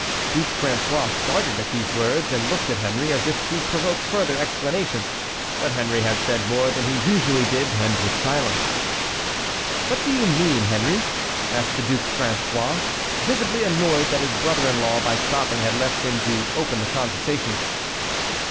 Duc François started at these words, and looked at Henry as if to provoke further explanation; but Henry had said more than he usually did and was silent. "What do you mean, Henry?" asked the Duc François, visibly annoyed that his brother in law by stopping had left him to open the conversation.